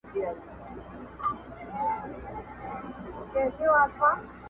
• ستـا له خندا سره خبري كـوم.